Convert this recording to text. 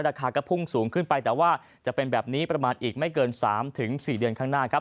ราคาก็พุ่งสูงขึ้นไปแต่ว่าจะเป็นแบบนี้ประมาณอีกไม่เกิน๓๔เดือนข้างหน้าครับ